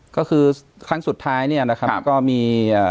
ก็คือครั้งสุดท้ายเนี่ยนะครับก็มี